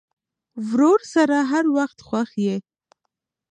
ورور سره هر وخت خوښ یې.